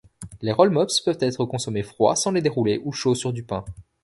Les rollmops peuvent être consommés froids, sans les dérouler, ou chauds sur du pain.